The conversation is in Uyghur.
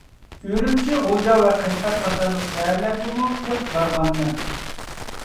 ئۈرۈمچى، غۇلجا ۋە قەشقەر قاتارلىق شەھەرلەرگىمۇ كۆپ بارغانمەن.